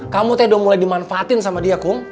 kamu sudah mulai dimanfaatin sama dia kom